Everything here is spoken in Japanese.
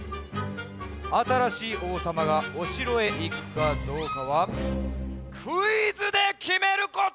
あたらしいおうさまがおしろへいくかどうかはクイズできめること！